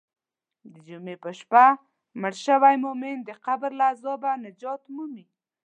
د جمعې په شپه مړ شوی مؤمن د قبر له عذابه نجات مومي.